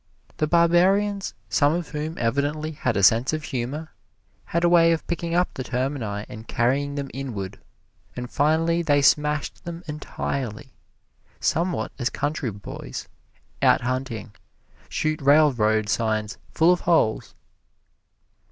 The barbarians, some of whom evidently had a sense of humor, had a way of picking up the Termini and carrying them inward, and finally they smashed them entirely, somewhat as country boys, out hunting, shoot railroad signs full of holes.